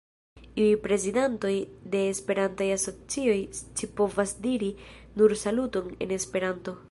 Iuj prezidantoj de Esperantaj asocioj scipovas diri nur "Saluton" en Esperanto.